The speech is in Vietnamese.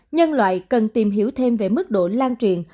nhân loại cần tìm hiểu thêm về mức độ lan truyền